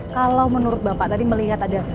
kalau menurut bapak tadi melihat ada